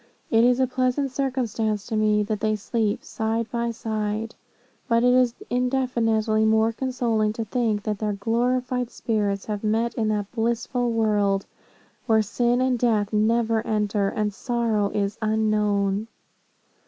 It is a pleasant circumstance to me, that they sleep side by side. But it is infinitely more consoling to think, that their glorified spirits have met in that blissful world, where sin and death never enter, and sorrow is unknown.